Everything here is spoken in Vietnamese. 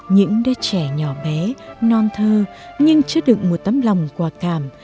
những đứa trẻ nhỏ bé non thơ nhưng chứa đựng một tấm lòng quả cảm